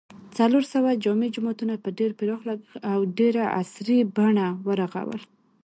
څلورسوه جامع جوماتونه په ډېر پراخ لګښت او ډېره عصري بڼه و رغول